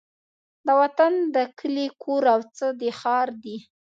د وطن د کلي کور او څه د ښار دي